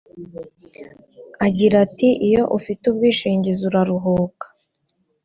Agira ati “Iyo ufite ubwishingizi uraruhuka